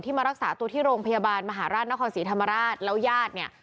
มารักษาตัวที่โรงพยาบาลมหาราชนครศรีธรรมราชแล้วญาติเนี่ย